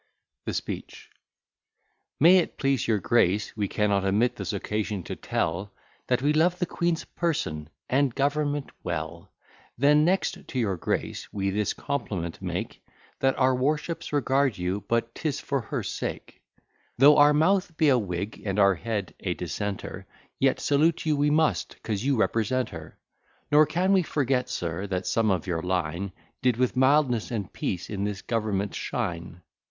THE SPEECH May it please your Grace, We cannot omit this occasion to tell, That we love the Queen's person and government well; Then next, to your Grace we this compliment make, That our worships regard you, but 'tis for her sake: Though our mouth be a Whig, and our head a Dissenter, Yet salute you we must, 'cause you represent her: Nor can we forget, sir, that some of your line Did with mildness and peace in this government shine.